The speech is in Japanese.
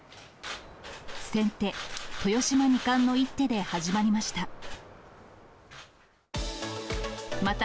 先手、豊島二冠の一手で始まりました。